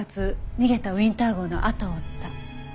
逃げたウィンター号のあとを追った。